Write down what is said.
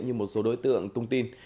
như một số đối tượng thông tin